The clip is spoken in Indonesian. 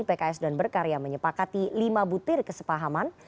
pks dan berkarya menyepakati lima butir kesepahaman